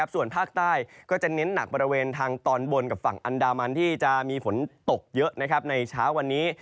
ส่วนภาคใต้ก็จะเน้นหนักบริเวณทางตอนบนกับฝั่งอันดามันที่จะมีฝนตกเยอะในเช้าวันนี้